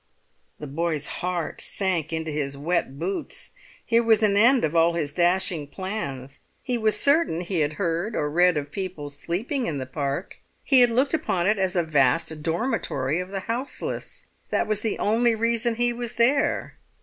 The boy's heart sank into his wet boots. Here was an end of all his dashing plans. He was certain he had heard or read of people sleeping in the Park; he had looked upon it as a vast dormitory of the houseless; that was the only reason he was there.